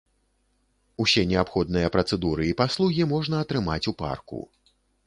Усе неабходныя працэдуры і паслугі можна атрымаць у парку.